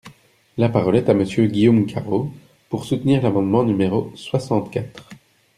La parole est à Monsieur Guillaume Garot, pour soutenir l’amendement numéro soixante-quatre.